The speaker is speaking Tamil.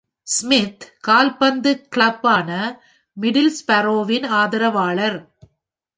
ஸ்மித் கால்பந்து கிளப்பான மிடில்ஸ்பரோவின் ஆதரவாளர்.